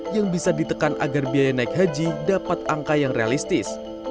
yang bisa ditekan agar biaya naik haji dapat angka yang realistis